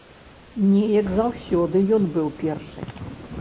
Неяк заўсёды ён быў першы.